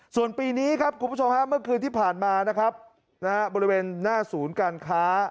ส่วนปีนี้ครับคุณผู้ชมฮะเมื่อคืนที่ผ่านมานะครับบริเวณหน้าศูนย์การค้า